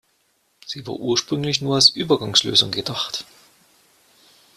Sie war ursprünglich nur als Übergangslösung gedacht.